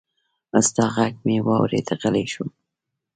ستا غږ مې واورېد، غلی شوم